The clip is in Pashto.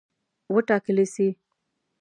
وټاکلي سي.